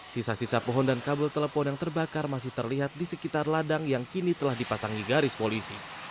sisa sisa pohon dan kabel telepon yang terbakar masih terlihat di sekitar ladang yang kini telah dipasangi garis polisi